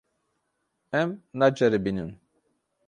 Em naceribînin.